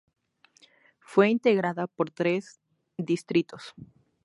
Fue integrada por tres distritos.